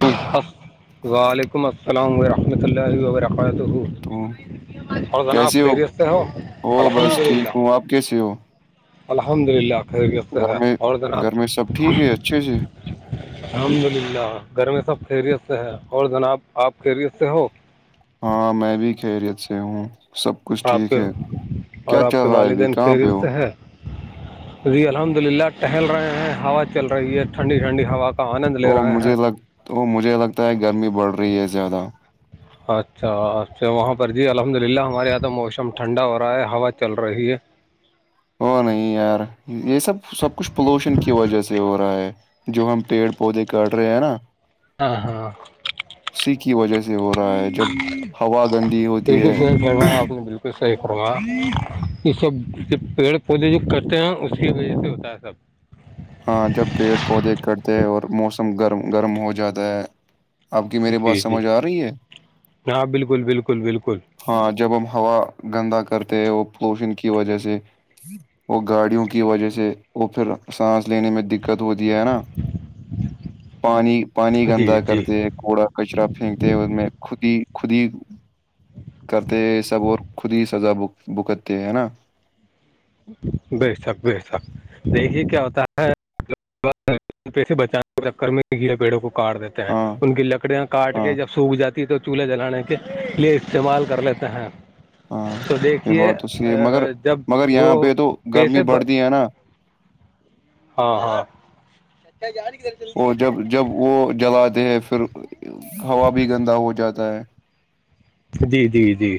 جی س وعلیکم السلام ورحمۃ اللہ وبرکاتہ اور جناب خیریست سے ہو ہو الحمد بس للہ ٹھیک ہوں آپ کیسے ہو الحمد للہ خیری کرتے گھر ہیں میں اور جناب گھر میں سب ٹھیک ہے اچھے سے الحمد للہ گھر میں سب خیریت سے ہے اور جناب آپ خیریت سے ہو ہاں میں بھی خیریت سے ہوں سب کچھ اور آپ ٹھیک کے ہے اور کیا چل آپ کے رہا ہے ابھی والدین کہاں پہ خیریت وہ سے ہے جی الحمد للہ ٹہل رہے ہیں ہوا چل رہی ہے ٹھنڈی ٹھنڈی ہوا کا آنند او لے رہے ہیں مجھے لگ مجھے لگتا ہے گرمی بڑھ رہی ہے زیادہ اچھا اچھا وہاں پر جی الحمد للہ ہمارے یہاں تو موسم ٹھنڈا ہو رہا ہے ہوا چل رہی ہے وہ نہیں یار یہ سب سب کچھ پولوشن کی وجہ سے ہو رہا ہے جو ہم پیڑ پودے کا رہے ہیں نا ہاں ہاں اسی کی وجہ سے ہو رہا ہے جب ہوا گندی تو ہوتی ہے کروا آپ نے بالکل صحیح کرا یہ سب پیڑ پودے جو کرتے ہیں اس کی وجہ سے ہوتا ہے سب ہاں جب پیڑ پودے کٹتے ہیں اور موسم گرم گرم ہو جاتا ہے آپ کی میری بات جی جی سمجھ آ رہی ہے ہاں بالکل بالکل بالکل ہاں جب ہم ہوا گندا کرتے ہیں وہ پولوشن کی وجہ سے وہ گاڑیوں کی وجہ سے وہ پھر سانس لینے میں دقت ہوتی ہے نا پانی پانی جی گندا جی کرتے کوڑا کچرا پھینکتے اس میں خود ہی خود ہی کرتے سب اور خود ہی سزا ب بکتتے ہے نا بے شک بے تک دیکھیے کیا ہوتا ہے پیسے بچانے کے چکر میں [unintelligible] گیڑے پیڑوں کو کاٹ دیتے ہیں ہاں ان کی لکڑیاں کاٹ ہاں کے جب سوکھ جاتی تو چولہے جلانے کے لیے استعمال کر لیتے ہیں ہاں تو دیکھیے ا جب اگر وہ یہاں پہ تو پیسے گرمی بڑھتی ہے نا ہاں ہاں وہ جب جب وہ جلاتے ہیں پھر ہوا بھی گندا ہو جاتا ہے جی جی جی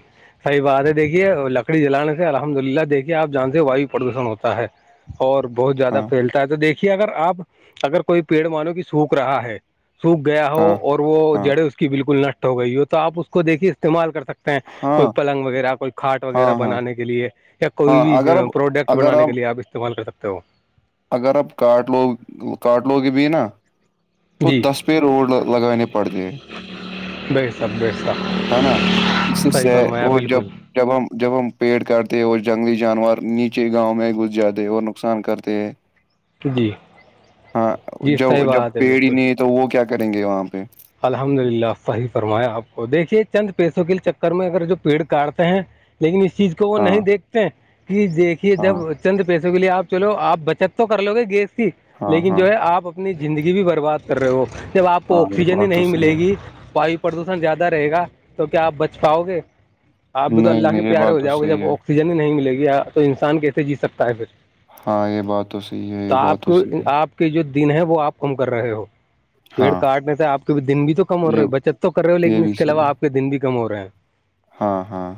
صحیح بات ہے دیکھیے لکڑی جلانے سے الحمد للہ دیکھیے آپ جانتے وایو پردوشن ہوتا ہے اور بہت زیادہ ہاں پھیلتا ہے تو دیکھیے اگر آپ اگر کوئی پیڑ مو کی سوکھ رہا ہے سوکھ گیا ہو ہاں اور وہ ہاں جڑیں اس کی بالکل نشٹ ہو گئی ہو تو آپ اس کو دیکھیے استعمال کر سکتے ہاں کوئی پلنگ وغیرہ کوئی کھاٹ ہاں وغیرہ ہاں بنانے کے لیے یا کوئی ہاں بھی اگر آپ پروڈکٹ اگر بنانے کے لیے آپ استعمال کر سکتے ہو اگر آپ کاٹ لو کاٹ لو گے بھی نا تو جی دس پہ روڈ لگانے پڑتے ہیں بیسک بیسک ہے نا اس سے صحیح سہ- فرمایا اور جب بالکل جب ہم جب ہم پیڑ کاٹتے ہیں اور جنگلی جانور نیچے گاؤں میں گھس جاتے اور نقصان کرتے ہیں جی ہاں جی جب صحی جب بات ہے پیڑ ہی بالکل نہیں تو وہ کیا کریں گے وہاں پہ الحمد للہ صحیح فرمایا آپ کو دیکھیے چند پیسوں کے چکر میں اگر جو پیڑ کاٹتے ہیں لیکن اس چیز کو وہ ہاں نہیں دیکھتے کہ دیکھیے جب ہاں چند پیسوں کے لیے آپ چلو آپ بچت تو کر لو گے گیس کی ہاں لیکن ہاں جو ہے آپ اپنی زندگی بھی برباد کر رہے ہو جب آپ کو ہاں یہ آکسیجن ہی بات تو نہیں صحیح ملے ہے گی پائپ پردوشن زیادہ رہے گا تو کیا آپ بچ پاؤ گے آپ بھی تو نہیں اللہ کے نہیں یہ پیار بات ہو تو جاؤ گے صحیح جب ہے آکسی سجن ہی نہیں ملے گی تو انسان کیسے جی سکتا ہے پھر ہاں یہ بات تو صحیح ہے یہ بات آپ تو کو صحیح ہے آپ کے جو دن ہے وہ آپ کم کر رہے ہو پیڑ ہاں کاٹنے سے آپ کے دن بھی تو کم ہو رہے یہ ہو بچت تو کر رہے ہو یہ لیکن بھی اس کے علاو صحیح ہے آپ کے دن بھی کم ہو رہے ہیں ہاں ہاں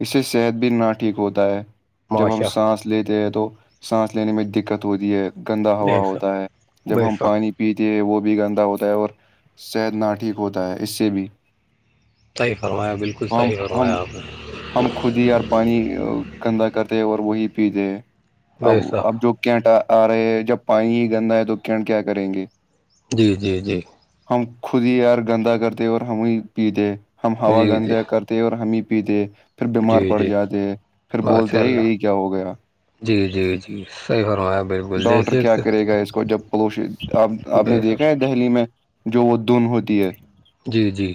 اس سے صحت بھی نہ ٹھیک ہوتا ہے جب ہم ماشا سانس لیتے ہیں تو سانس لینے میں دقت ہوتی ہے گندا ہوا بے شک ہوتا ہے جب بے ہم شک پانی پیتے ہیں وہ بھی گندا ہوتا ہے اور صحت نہ ٹھیک ہوتا ہے اس سے بھی صحی فرمایا بالکل ہم صحیح ہم فرمایا آپ نے ہم خود ہی یار پانی گندا کرتے اور وہی پیتے ہیں اب بے شک اب جو کیٹ آ رہے ہے جب پانی ہی گندا ہے تو کینٹ کیا کریں گے جی جی جی ہم خود ہی یار گندا کرتے اور ہم ہی پیتے ہم ہوا جی گند جی کرتے اور ہم ہی پیتے پھر بیمار جی پڑ جی جاتے پھر ماشاء بولتے اللہ یہی کیا ہو گیا جی جی جی صحیح فرمایا بالکل ڈاکٹر دیکھیے کیا کہ کرے گا اس کو جب پولوشن اب آپ نے بے دیکھا شک ہے دہلی میں جو وہ دن ہوتی ہے جی جی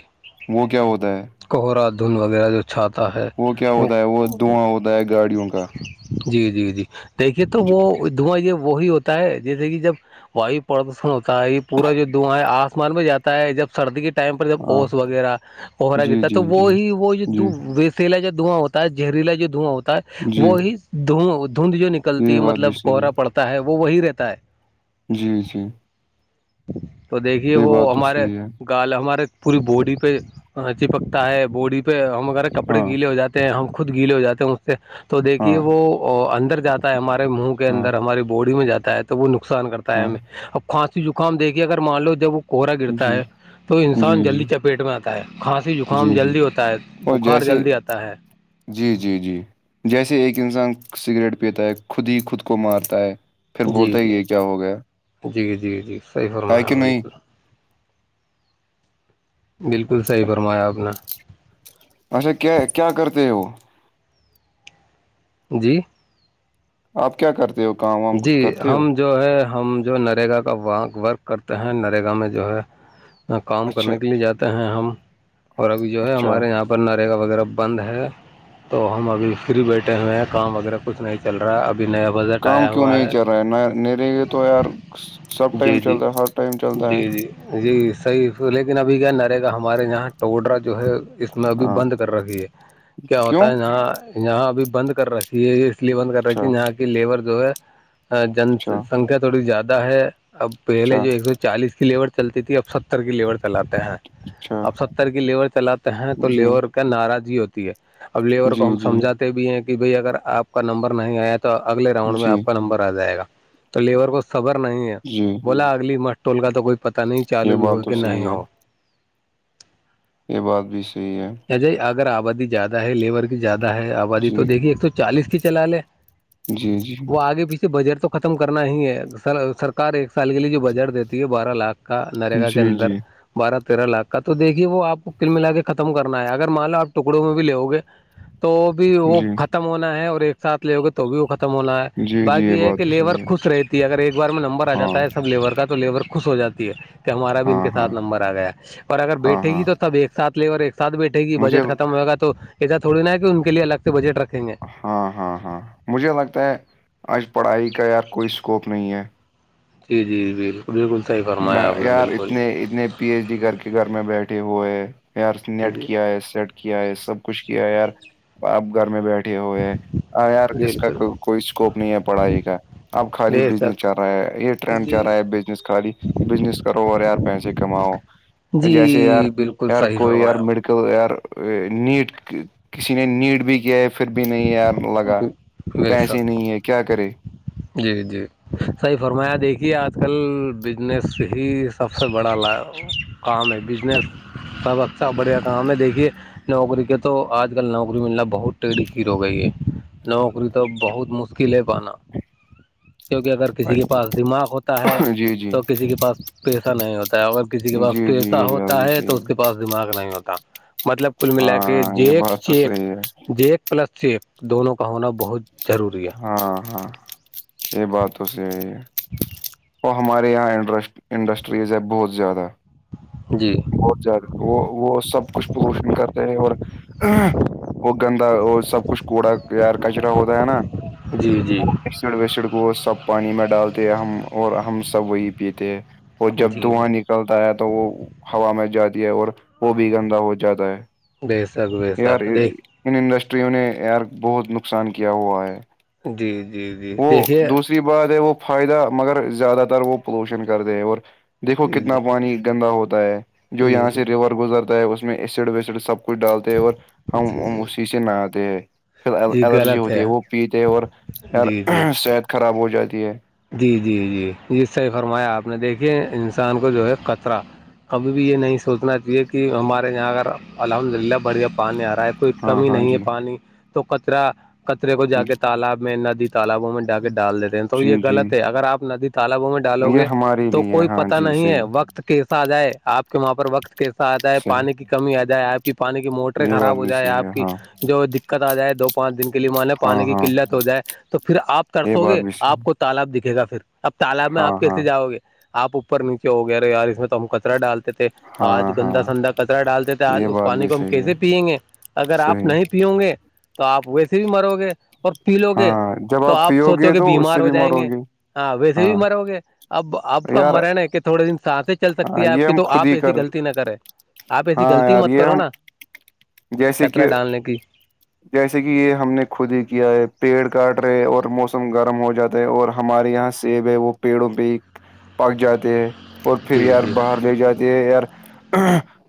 وہ کیا ہوتا ہے کوہرا دھن وغیرہ جو چھاتا ہے کیا وہ ہوتا ہے دھواں ہوتا ہے گاڑیوں کا جی جی جی دیکھیے تو ج- وہ دھواں یہ وہی ہوتا ہے جیسے کہ جب واو پردوشن ہوتا ہے یہ پورا جو دھواں ہے آسمان میں جاتا ہے جب سردی کے ٹائم پر جب ہاں اوس وغیرہ پوخرا جی گتا جی تو جی وہ ہی وہ یہ جی ویسیلا جو دھواں ہوتا ہے زہریلا جو دھواں ہوتا ہے جی وہ ہی دھواں دھند جو نکل چلتی یہ ہے بات بھی مطلب صحیح ہے کوہرا پڑتا ہے وہ وہی رہتا ہے جی جی تو دیکھیے یہ وہ بات تو ہمارے صحیح ہے گال ہمارے پوری باڈی پہ چپکتا ہے باڈی پہ ہم کپڑے ہاں گیلے ہو جاتے ہیں ہم خود گیلے ہو جاتے ہیں اس سے تو دیکھیے ہاں وہ اندر جاتے ہمارے منہ کے ہاں اندر ہماری باڈی میں جاتا ہے تو وہ نقصان کرتا ہے ہاں ہمیں ا زکام دیکھیے اگر مان لو جب وہ کوہرا گرتا جی ہے تو انسان جی جلدی جی چپیٹ میں آتا ہے کھانسی زکام جی جی جلدی ہوتا ہے اور بخار جیسے جلدی آتا ہے جی جی جی جیسے ایک انسان سگریٹ پیتا ہے خود ہی خود کو مارتا ہے پھر جی بولتا ہے جی یہ کیا ہو گیا جی جی جی صحیح ہے فرمایا کہ نہیں بالکل بالکل صحیح فرمایا آپ نے اچھا کیا کیا کرتے ہیں وہ جی آپ کیا کرتے ہو کام وام کچھ جی کرتے ہو ہم جو ہے ہم جو نریگا کا و ورک کرتے ہیں نریگا میں جو ہے کام اچھا کرنے کے لیے جاتے ہیں ہم اور ابھی جو ہے اچھا ہمارے یہاں پرنرگا وغیرہ بند ہے تو ہم ابھی فری بیٹھے ہوئے ہیں کام وغیرہ کچھ نہیں چل رہا ہے ابھی نیا بازن کام کیوں نہیں چل رہا ہے نے یہ تو یار سب ٹائم جی جی چلتا ہے ہر ٹائم چلتا جی ہے جی جی صحیح لیکن ابھی کیا نرے گا ہمارے یہاں ٹوڈرا جو ہے اس میں ابھی ہاں بند کر رکھی ہے کیا کیوں ہوتا ہے یہاں یہاں ابھی بند کر ر یہ اس لیے بند کر رہے اچھا تھی یہاں کی لیبر جو ہے جن اچھا سنکھیا تھوڑی زیادہ ہے اب پہلے اچھا جو ایک سو چالیس کی لیبر چلتی تھی اب ستر کی لیبر چلاتے ہیں اچھا اب ستر کی لیور چلاتے ہیں تو جی لیور کا ناراضی ہوتی ہے اب لیبر کو جی ہم جی سمجھاتے بھی ہیں کہ بھائی اگر آپ کا نمبر نہیں آیا تو اگلے رنڈ میں جی آپ کا نمبر آ جائے گا تو لیبر کو خبر نہیں ہے جی بولا اگلی مٹٹ ٹول کا تو کوئی پتا نہیں یہ چالو بھی بات ہو تو کہ نہیں صحیح ہے ہو یہ بات بھی صحیح ہے یا ج اگر آبادی زیادہ ہے لیبر کی زیادہ ہے آبادی تو جی دیکھیے ایک سو چالیس کی چلا لے جی جی وہ آگے پیچھے بجٹ تو ختم کرنا ہی ہے سرکار ایک سال کے لیے جو بجٹ دیتی ہے بارہ لاکھ کا نرگا کے جی جی اندر بارہ تیرہ لاکھ کا تو دیکھیے وہ آپ کل ملا کے ختم کر ہے اگر مالو آپ ٹکڑوں میں بھی لےو گے تو بھی وہ جی ختر ختم ہونا ہے اور ایک ساتھ لےو گے تو بھی وہ ختم ہونا ہے جی جی بقی یہ ہے کہ بات تو لیبر صحیح ہے خوش رہتی ہے اگر ایک بار میں نمبر آ ہاں جاتا ہے سب لیبر کا تو لیبر خوش ہو جاتا کہ ہمارا بھی ہاں ان کے ہاں ساتھ نمبر آ گیا اور اگر ہاں بیٹھے گی ہاں تو سب ایک ساتھ لے اور ایک ساتھ بیٹھے ے گی مجھے بجٹ ختم ہوئے گ تو ایسا تھوڑی نا کہ ان کے لیے الگ سے بجٹ رکھیں گے ہاں ہاں ہاں مجھے لگتا ہے آج پڑھائی کا یار کوئی اسکوپ نہیں ہے جی جی بالکل بالکل صحیح میں فرمایا آپ نے یار بالکل اتنے اتنے پی ایچ ڈی کر کے گھر میں بیٹھے ہوئے یار نیٹ جی کیا ہے سیٹ کیا ہے سب کچھ کیا ہے یار آپ گھر میں بیٹھے ہوئے ہاں یار اس کا بالکل کوئی اسکوپ نہیں ہے پڑھائی کا اب خالی بے بزنس چل شک رہا ہے یہ ٹرینڈ چل جی رہا ہے بزنس خالی بزنس کرو اور یار پیسے کماؤ جیسے یار جی بالکل یار صحیح کوئی یار فرمایا م ر نیٹ کسی نے نیٹ بھی کیا ہے پھر بھی نہیں یار لگا بے پیسے شک نہیں ہے کیا کرے جی جی صحیح فرمایا دیکھیے آج کل بزنس ہی سب سے بڑا لا کام ہے بزنس سب اچھا بڑھیا کام ہے دیکھیے نوکری کے تو آج کل نوکری ملنا بہت ٹیڑ کی ہو گئی ہے نوکری تو بہت مشکل ہے پانا کیونکہ اگر کسی کے پاس دماغ ہوتا ہے جی جی تو کسی کے پاس پیسہ نہیں ہوتا ہے اگر کسی کے پاس جی جی پیسہ یہ ہوتا بھی ہے تو صحیح اس کے پاس دماغ نہیں ہوتا مطلب کل ملا ہاں کے یہ جیک بات تو چیک صحیح ہے ج ایک پلس سیک دونوں کا ہونا ب [unintelligible] ہاں ہاں یہ بات توسی یہی ہے اور ہمارے یہاں انڈسٹریز ہے بہت زیادہ جی بہت زیادہ وہ وہ سب کچھ پولوشن کرتے ہیں اور وہ گندا وہ سب کچھ کوڑا یار کچرا ہوتا ہے نا جی جی سڑ وسڑ کو سب پانی میں ڈالتے ہم اور ہم سب وہی پیتے اور جب جی جی دھواں نکلتا ہے تو وہ ہوا مچ جاتی ہے اور وہ بھی گندا ہو جاتا ہے بسگ [unintelligible] یار ان انڈسٹریوں نے یار بہت نقصان کیا ہوا ہے جی جی جی دیکھیے دوری بات ہے وہ فائدہ مگر زیادہ تر وہ پولوشن کر د ہیں اور دیکو جی کتنا پانی گندا ہوتا ہے جو جی یہاں جی سے ریور گزرتا ہے اس میں ایسڈ ویسڈ سب کچھ ڈالتے ہیں اور جی ہم جی اسی سے نہاتے ہیں پھر ال جی الرجی غلط ہوتی ہے وہ پیتے اور یار جی صحت خراب ہو جاتی ہے جی جی جی جی صحیح فرمایا آپ نے دیکھیے انسان کو جو ہے قطرہ کبھی بھی یہ نہیں سوچنا چاہیے کہ ہمارے یہاں اگر الحمد للہ بڑھیا پانی آ رہا ہے تو کوئی ہاں کمی ہاں نہیں ہے جی پانی تو کچرا کچرے کو جا کے تالاب میں ندی تالابوں میں ڈا کے ڈال دیتے ہیں تو جی یہ جی غلط ہے اگر آپ ندی تالابوں میں ڈالو یہ گے ہمارے تو لیے کوئی ہاں پتا جی نہیں ہے صحیح وقت کا کیسا آ جائے آپ کے وہاں پر وقت کیسا آ جائے صحیح پانی کی کمی آ جائے آپ کی پانی کی موٹریں یہ بات خراب ہو بھی جائے صحیح ہے آپ کی ہاں جو دقت آ جائے دو پانچ دن کے لیے مانے پانی ہاں کی ہاں قلت ہو جائے تو پھر آپ یہ ترسو بات گے بھی صحیح آپ کو ہے تالاب دکھے گا پھر اب تالاب میں آپ ہاں ہاں کیسے جاؤ گے آپ اوپر نیچے ہو گی اری یار اس میں تو ہم کچرا ڈالتے تھے آج ہاں ہاں گندا سندا کچرا ڈالتے تھے آج یہ اس بات پانی بھی کو ہم صحیح ہے کیسے پیئیں گے اگر آپ صحیح نہیں پیؤ گے تو آپ ویسے بھی مرو گے اور پی لو گے ہاں جب تو آپ پیو سوچو گے تو اس بیمار سے ہو ج [unintelligible] ہوں گے ہاں ویسے بھی مرو گے اب اب کا یار مرے نا کہ تھوڑے دن سے سس چل سکتی ہے آپ یہ کی ہم تو خود آپ ہی ایسی کر غلطی نہ کرے آپ ایسی ہاں غلطی یار مت یہ کرو ہم نا جیسے کطرا کہ ڈالنے کی جیسے کہ یہ ہم نے خود ہی کیا ہے پیڑ کاٹ رہے اور موسم گرم ہو جاتا ہے اور ہمارے یہاں سیب ہے وہ پیڑوں پہ ہی پک جاتے ہے اور پھر جی یار جی باہر لے جاتے ہے یار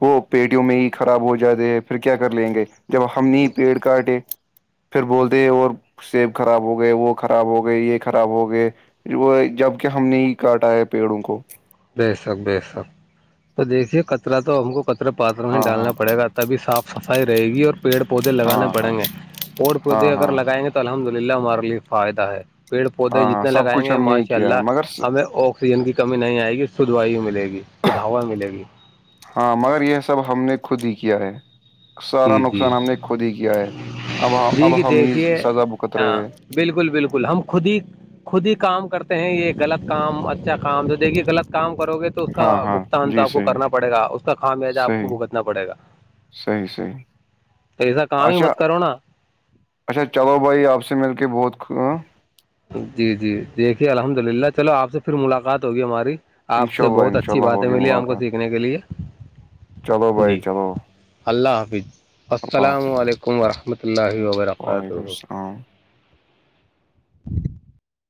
وہ پیٹوں میں ہی خراب ہو جاتے پھر کیا کر لیں گے جب ہم نہیں پھر بولتے اور سیب خراب ہو گئے وہ خراب ہو گئے یہ خراب ہو گئے وہ جب کہ ہم نے ہی کاٹا ہے پیڑوں کو بے شک بے سک تو دیکھیے کطرا تو ہم کو کطرے پاتر میں ہی ہاں ہاں ڈالنا پڑے گا [unintelligible] تبھی صاف سفائی رہے گی اور پیڑ پودے ہاں لگانے ہاں پڑیں گے پیڑ ہاں پودے اگر ہاں لگائیں گے تو الحمد للہ ہمارے لیے فائدہ ہے پیڑ پودے ہاں ہاں جتنے سب لگائیں کچھ گے ہم نے ہی ماشاء کیا ہے اللہ مگر س- ہمیں اوکھت سسیجن کی کمی نہیں آئے گی سدھ وائی ملے گی سدھ ہوا ملے گی ہاں مگر یہ سب ہم نے خود ہی کیا ہے سارا جی جی نقصان ہم نے خود ہی کیا ہے اب جی اب کہ حمید دیکھیے سزا بکت ہاں رہے ہیں بالکل بالکل ہم خود ہی خود ہی کام کرتے ہیں یہ غلط کام اچھا کام تو دیکھیے غلط کام کرو گے تو اس کا ہاں ہاں بھگتان تو جی آپ کو صحیح کرنا پڑے گا اس کا خامیاجہ آپ صحیح کو بھگتنا پڑے گا صحیح صحیح تو ایسا کام ہی اچھا مت کرو نا اچھا چلو بھائی آپ سے مل کے بہت جی جی دیکھیے الحمد للہ چلو آپ سے پھر ملاقات ہوگی ہماری آپ شاء سے اللہ بہت ان شاء اچھی اللہ باتیں ہوگی ملی ہم کو ملاقات سیکھنے کے لیے چلو بھائی جی چلو اللہ حافظ اللہ السلام حافظ علیکم ورحمۃ اللہ وعلیکم وبرکاتہ السلام